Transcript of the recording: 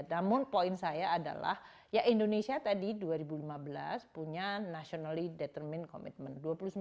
namun poin saya adalah ya indonesia tadi dua ribu lima belas punya nationally determind komitmen